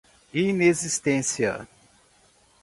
inexistência